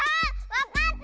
わかった！